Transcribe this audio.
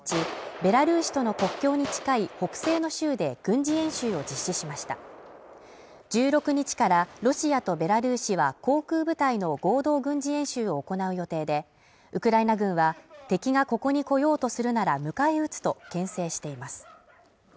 またウクライナ軍は１２日ベラルーシとの国境に近い北西の州で軍事演習を実施しました１６日からロシアとベラルーシは航空部隊の合同軍事演習を行う予定でウクライナ軍は敵がここに来ようとするなら迎え撃つとけん制しています